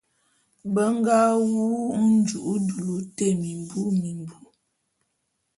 Be nga wu nju'u dulu te mimbi mimbu.